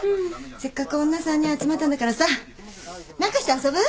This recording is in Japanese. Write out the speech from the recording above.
せっかく女３人集まったんだからさ何かして遊ぶ？